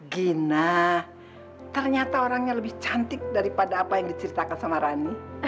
gina ternyata orangnya lebih cantik daripada apa yang diceritakan sama rani